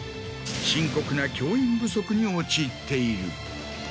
深刻な教員不足に陥っている。